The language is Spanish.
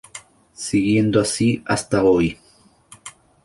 Siguiendo así hasta hoy.